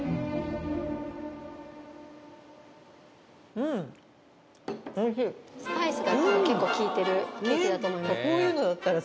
うんスパイスが結構効いてるケーキだと思います